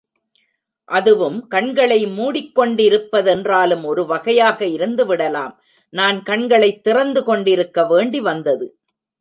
அதுவும் கண்களை மூடிக்கொண்டிருப்பதென்றாலும் ஒரு வகையாக இருந்து விடலாம் நான் கண்களைத் திறந்து கொண்டிருக்க வேண்டி வந்தது!